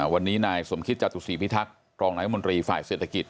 วันนี้นายสมคิตจตุศีพิทักษ์รองนายมนตรีฝ่ายเศรษฐกิจ